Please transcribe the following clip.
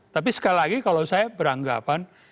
tapi sekali lagi kalau saya beranggapan